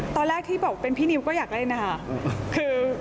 ตอนแรกที่บอกเป็นพี่นิวก็อยากเล่นนะคะ